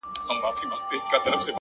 هوښیار انسان د چوپتیا ارزښت هم پېژني!